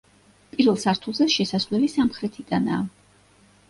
პირველ სართულზე შესასვლელი სამხრეთიდანაა.